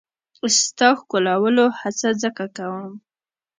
ستا ښکلولو هڅه ځکه کوم.